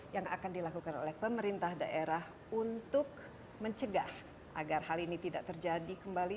yang akan dilakukan oleh pemerintah daerah untuk mencegah agar hal ini tidak terjadi kembali